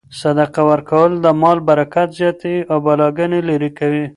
صدقه ورکول د مال برکت زیاتوي او بلاګانې لیرې کوي.